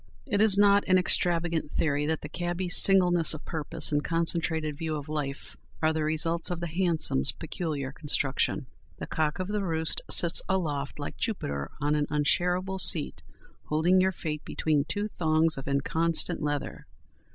It is not an extravagant theory that the cabby's singleness of purpose and concentrated view of life are the results of the hansom's peculiar construction. The cock of the roost sits aloft like Jupiter on an unsharable seat, holding your fate between two thongs of inconstant leather.